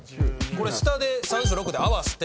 これ下で３６で合わせて。